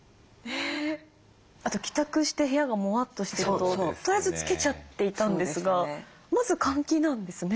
あと帰宅して部屋がモワッとしてるととりあえずつけちゃっていたんですがまず換気なんですね。